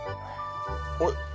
あれ？